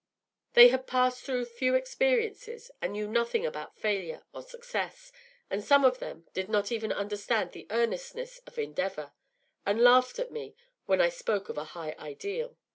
They had passed through few experiences and knew nothing about failure or success, and some of them did not even understand the earnestness of endeavour, and laughed at me when I spoke of a high ideal.